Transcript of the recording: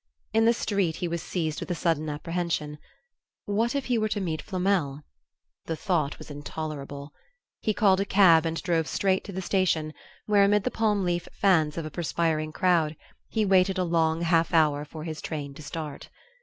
In the street he was seized with a sudden apprehension. What if he were to meet Flamel? The thought was intolerable. He called a cab and drove straight to the station where, amid the palm leaf fans of a perspiring crowd, he waited a long half hour for his train to start.